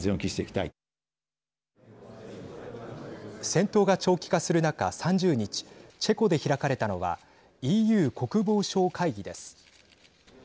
戦闘が長期化する中、３０日チェコで開かれたのはＥＵ国防相会議です。